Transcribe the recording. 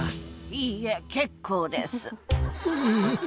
いいえ、結構です。